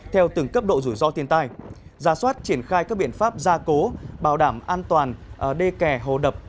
theo từng cấp độ rủi ro thiên tai giả soát triển khai các biện pháp gia cố bảo đảm an toàn đê kè hồ đập